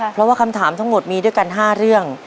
เพราะว่าคำถามทั้งหมดมีด้วยกัน๕เรื่อง